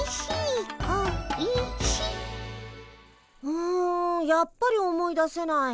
うんやっぱり思い出せない。